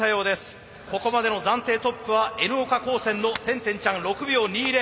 ここまでの暫定トップはＮ岡高専の転転ちゃん６秒２０。